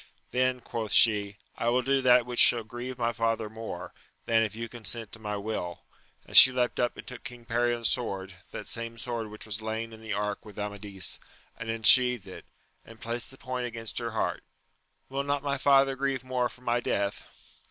Then, quoth she, I will do that which shall grieve my father more, ihan \£ ^o\x «>ii!astA» \» \k^ ^^fr^\ 230 AMADIS OF GAUL. and she leapt up and took King Perion's sword, that same sword which was laid in the ark with Amadis, and unsheathed it, and placed the point against her heart: — ^Will not my father grieve more for my death?